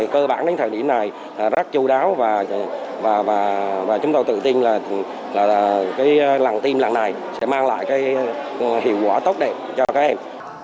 cơ bản đến thời điểm này rất chú đáo và chúng tôi tự tin là lần tiêm lần này sẽ mang lại hiệu quả tốt đẹp cho các em